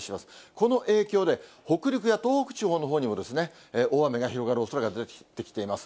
この影響で、北陸や東北地方のほうにも大雨が広がるおそれが出てきています。